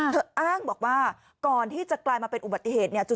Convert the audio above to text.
เธออ้างบอกว่ากว่ารถที่จะกลายเป็นอุบัติเหตุ